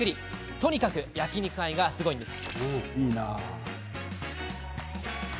とにかく焼肉愛がすごいんです。